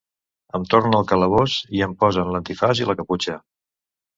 Em tornen al calabós i em posen l’antifaç i la caputxa.